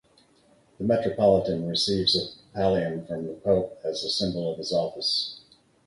The metropolitan receives a pallium from the pope as a symbol of his office.